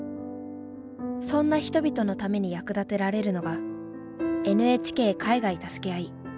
そんな人々のために役立てられるのが「ＮＨＫ海外たすけあい」。